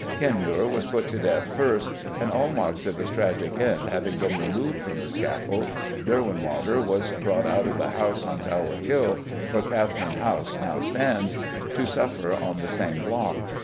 Kenmure was put to death first, and all marks of his tragic end having been removed from the scaffold, Derwentwater was brought out of the house on Tower Hill (where Catherine House now stands), to suffer on the same block.